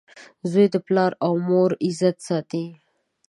• زوی د پلار او مور عزت ساتي.